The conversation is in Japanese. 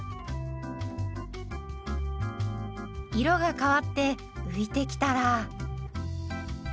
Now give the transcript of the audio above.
色が変わって浮いてきたら。